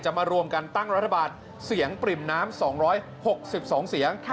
มารวมกันตั้งรัฐบาลเสียงปริ่มน้ำ๒๖๒เสียง